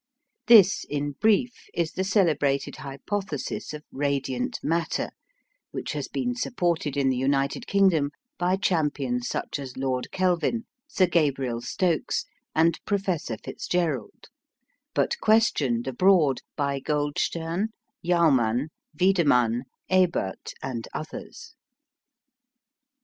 This, in brief, is the celebrated hypothesis of "radiant matter," which has been supported in the United Kingdom by champions such as Lord Kelvin, Sir Gabriel Stokes, and Professor Fitzgerald, but questioned abroad by Goldstem, Jaumann, Wiedemann, Ebert, and others.